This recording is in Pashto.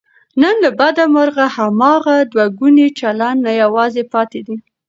نن له بده مرغه، هماغه دوهګونی چلند نه یوازې پاتې دی